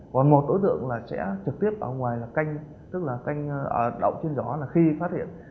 còn một đối tượng sẽ trực tiếp ở ngoài canh tức là canh ở đậu trên gió là khi phát hiện